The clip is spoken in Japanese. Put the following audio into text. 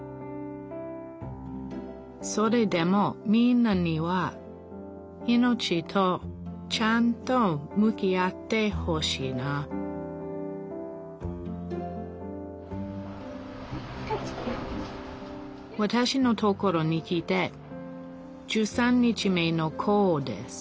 それでもみんなには命とちゃんと向き合ってほしいなわたしのところに来て１３日目のコウです